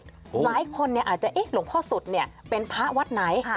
หลายคนอาจจะเอ๊ะหลวงพ่อสุดเป็นพระวัดไหน